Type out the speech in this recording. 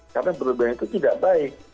karena berlebihan itu tidak baik